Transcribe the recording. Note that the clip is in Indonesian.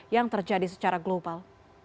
yang terjadi secara global